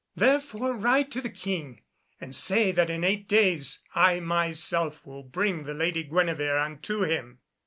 Therefore ride to the King, and say that in eight days I myself will bring the Lady Guenevere unto him."